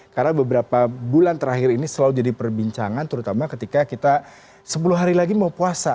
karena beberapa bulan terakhir ini selalu jadi perbincangan terutama ketika kita sepuluh hari lagi mau puasa